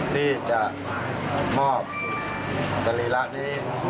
ที่จะมอบสรีระนี้